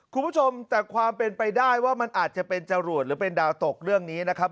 คุณผู้ชมแต่ความเป็นไปได้ว่ามันอาจจะเป็นจรวดหรือเป็นดาวตกเรื่องนี้นะครับ